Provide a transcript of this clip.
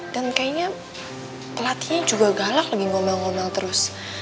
dan kayaknya pelatihnya juga galak lagi ngomel ngomel terus